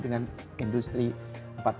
dengan industri empat panggung